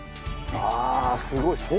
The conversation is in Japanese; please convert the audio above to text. あぁ、すごい！